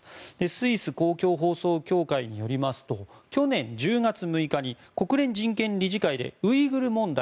スイス公共放送協会によりますと去年１０月６日に国連人権理事会でウイグル問題